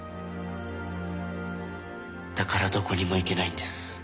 だからどこにも行けないんです。